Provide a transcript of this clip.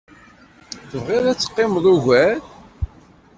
Tebɣiḍ ad teqqimeḍ ugar?